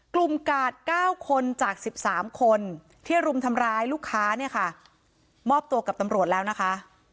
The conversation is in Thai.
กาด๙คนจาก๑๓คนที่รุมทำร้ายลูกค้าเนี่ยค่ะมอบตัวกับตำรวจแล้วนะคะ